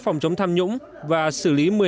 phòng chống tham nhũng và xử lý